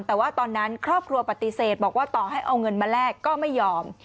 แต่ว่าตอนนั้นครอบครัวปฏิเสธบอกว่าต่อให้เอาเงินมาแลกก็ไม่ยอม